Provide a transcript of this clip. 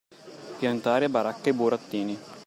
Piantare baracca e burattini.